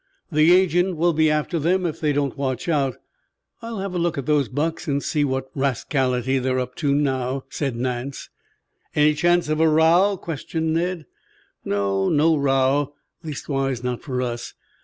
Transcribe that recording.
The agent will be after them if they don't watch out. I'll have a look at those bucks and see what rascality they're up to now," said Nance. "Any chance of a row?" questioned Ned. "No, no row. Leastwise not for us.